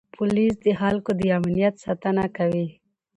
پولیس د خلکو د امنیت ساتنه کوي.